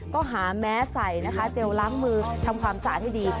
ก็หาแม้ใส่นะคะเจลล้างมือทำความสะอาดให้ดี